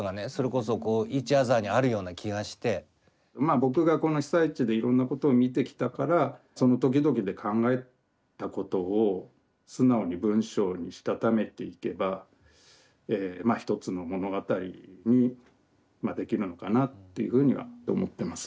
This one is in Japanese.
僕がこの被災地でいろんなことを見てきたからその時々で考えたことを素直に文章にしたためていけばまあ一つの物語にできるのかなっていうふうには思ってます。